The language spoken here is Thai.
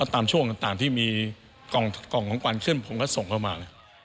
ตามช่วงต่างที่มีกล่องของขวัญขึ้นผมก็ส่งเข้ามา